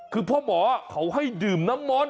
คือพ่อหมอเขาให้ดื่มน้ำมนต